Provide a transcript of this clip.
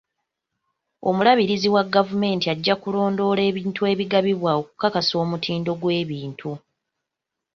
Omubalirizi wa gavumenti ajja kulondoola ebintu ebigabibwa okukakasa omutindo gw'ebintu.